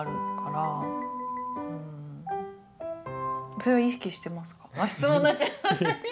それは意識してますか？